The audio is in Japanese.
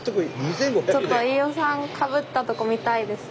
ちょっと飯尾さんかぶったとこ見たいです。